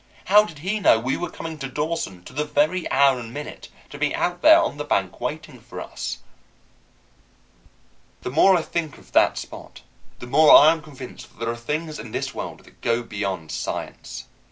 How did he know we were coming to Dawson, to the very hour and minute, to be out there on the bank waiting for us? The more I think of that Spot, the more I am convinced that there are things in this world that go beyond science.